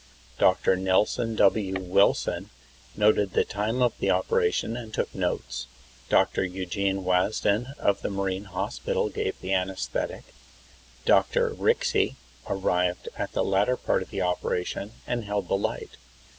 Dr. Nelson W. Wilson noted the time of the operation, and took notes. Dr. Eugene Wasdin of the marine hospital gave the anesthetic. Dr. Rixey arrived at the latter part of the operation, and held the light.